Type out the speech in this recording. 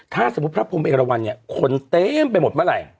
ถ้าสมมติพระพรหมเอลวันขนเต็มไปหมดเมื่อไหร่